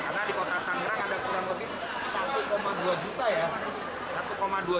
karena di kota tangerang ada kurang lebih satu dua juta ya